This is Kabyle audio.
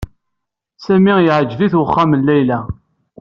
Sami yeɛjeb-it uxxam n Layla.